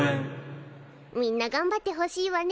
みんながんばってほしいわね。